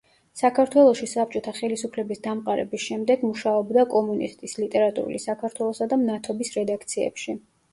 საქართველოში საბჭოთა ხელისუფლების დამყარების შემდეგ მუშაობდა „კომუნისტის“, „ლიტერატურული საქართველოსა“ და „მნათობის“ რედაქციებში.